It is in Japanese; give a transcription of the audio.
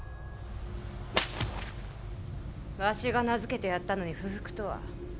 わしが名付けてやったのに不服とは。